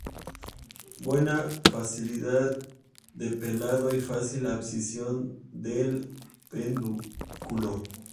Buena facilidad de pelado, y fácil abscisión del pedúnculo.